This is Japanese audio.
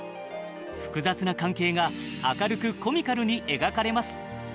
複雑な関係が明るくコミカルに描かれます。